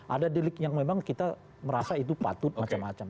ada delik yang memang kita merasa itu patut macam macam